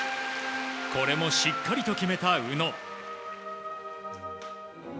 これもしっかりと決めた宇野。